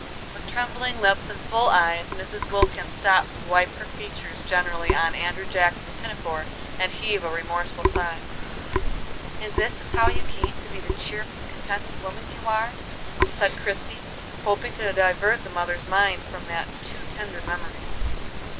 With trembling lips and full eyes Mrs. Wilkins stopped to wipe her features generally on Andrew Jackson's pinafore, and heave a remorseful sigh. "And this is how you came to be the cheerful, contented woman you are?" said Christie, hoping to divert the mother's mind from that too tender memory.